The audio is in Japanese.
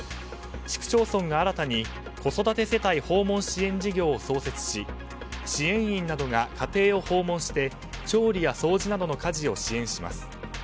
市区町村が新たに子育て世帯訪問支援事業を創設し支援員などが家庭を訪問して調理や掃除などの家事を支援します。